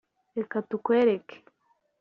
Reka tukwereke